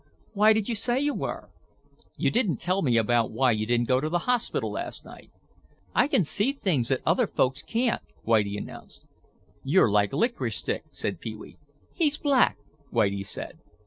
"Why did you say you were?" "You didn't tell me about why you didn't go to the hospital last night." "I can see things that other folks can't see," Whitie announced. "You're like Licorice Stick," said Pee wee. "He's black," Whitie said.